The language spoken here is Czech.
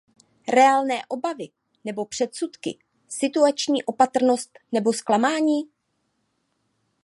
Reálné obavy nebo předsudky, situační opatrnost nebo zklamání?